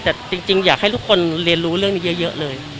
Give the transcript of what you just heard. แต่จริงอยากให้ทุกคนเรียนรู้เรื่องนี้เยอะเลย